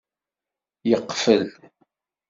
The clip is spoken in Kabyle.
Yeqfel.